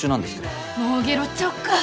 もうゲロっちゃおうか。